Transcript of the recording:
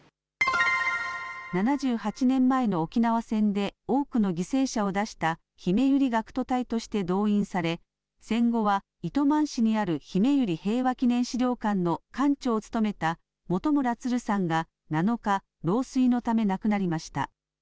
７８年前の沖縄戦で多くの犠牲者を出したひめゆり学徒隊として動員され、戦後は糸満市にあるひめゆり平和祈念資料館の館長を務めた本村ツルさんが７日、老衰のため、亡くなりました。